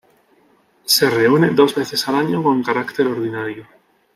Se reúne dos veces al año con carácter ordinario.